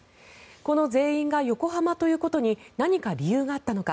この全員が横浜ということに何か理由があったのか。